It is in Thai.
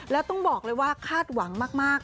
แล้วต้องบอกเลยว่าคาดหวังมาก